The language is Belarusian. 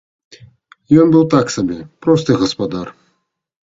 Ён быў так сабе, просты гаспадар.